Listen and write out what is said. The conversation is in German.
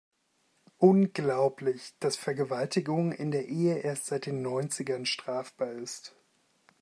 Unglaublich, dass Vergewaltigung in der Ehe erst seit den Neunzigern strafbar ist.